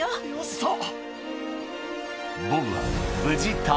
そう！